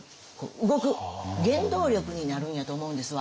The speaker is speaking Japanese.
動く原動力になるんやと思うんですわ。